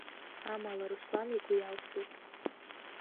Амала Руслан игәы иалсыз…